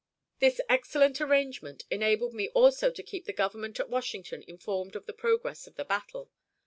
This excellent arrangement enabled me also to keep the Government at Washington informed of the progress of the battle.